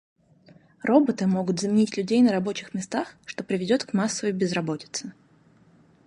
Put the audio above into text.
Роботы могут заменить людей на рабочих местах, что приведет к массовой безработице.